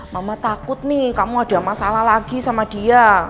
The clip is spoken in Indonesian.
mama takut nih kamu ada masalah lagi sama dia